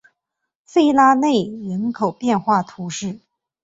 弗拉内人口变化图示